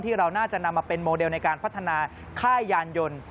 เราน่าจะนำมาเป็นโมเดลในการพัฒนาค่ายานยนต์